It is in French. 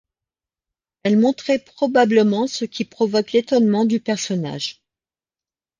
Elle montrait probablement ce qui provoque l'étonnement du personnage.